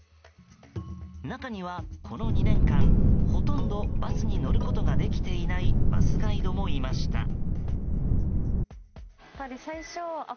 中にはこの２年間、ほとんどバスに乗ることができていないバスガイドもいました。